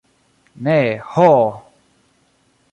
Ne, ho!